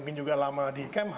sudah lama di kem